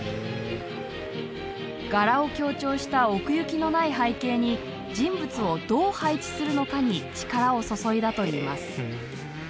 柄を強調した奥行きのない背景に人物をどう配置するのかに力を注いだといいます。